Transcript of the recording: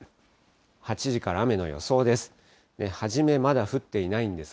８時から雨の予想です。